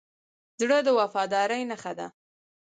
زړه د وفادارۍ نښه ده.